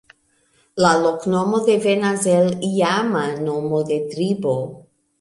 La loknomo devenas el iama nomo de tribo.